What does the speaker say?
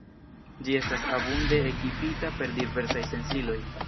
Ĝi estas abunde ekipita per diversaj sensiloj.